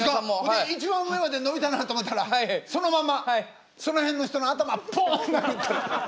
で一番上まで伸びたなと思ったらそのままその辺の人の頭ポン。